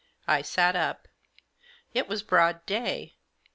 I sat up. It was broad day.